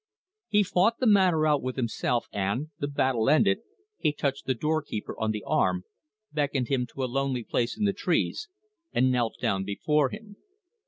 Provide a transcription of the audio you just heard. He fought the matter out with himself, and, the battle ended, he touched the door keeper on the arm, beckoned him to a lonely place in the trees, and knelt down before him.